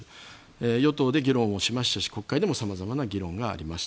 与党で議論をしましたし国会でも様々な議論がありました。